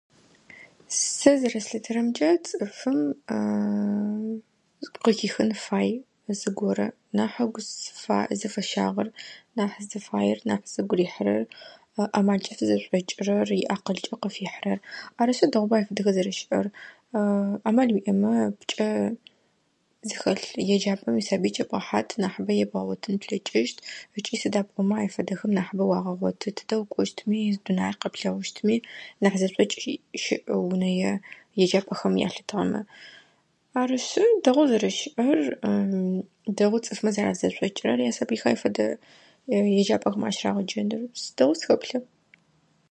Сэ зэрэслъытэрэмкӏэ цӏыфым къыхихын фай зыгорэ нахь ыгу зыфа зыфэщагъэр, нахь зыфаер, нахь зыгу рихьырэр. Амалкӏэ фызэшӏокӏырэр иакъылкӏэ къыфихьырэр. Арышъы дэгъуба ай фэдэхэр зэрэщыӏэр. Амал уиӏэмэ пкӏэ зыхэлъ еджапӏэ уисабый кӏэбгъэхьат, нахьыбэ ебгъэгъотын плъэкӏыщт ыкӏи сыда пӏомэ ай фэдэхэм нахьыбэ уагъэгъотыт. Тэ укӏощтыми, Дунаир къэплъэгъущтыми нахь зэшӏокӏ щыӏ унэе еджапӏэхэм ялъытыгъэмэ. Арышъы дэгъу зэрэщыӏэр. Дэгъу цӏыфмэ зэразэшӏокӏырэр ясабыйхэр ай фэдэ еджапӏэхэм ащырагъэджэнэу. Сэ дэгъоу сыхэплъэ.